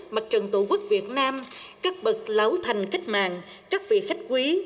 mặt trận tổ quốc việt nam các bậc lão thành cách mạng các vị khách quý